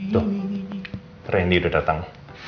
tuh randy udah datang